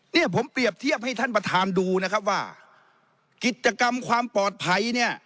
เนี่ยผมเปรียบเทียบให้ท่านประธานดูนะครับว่ากิจกรรมความปลอดภัยเนี่ย